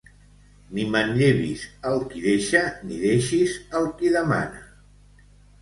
Ni manllevis al qui deixa ni deixis al qui demana.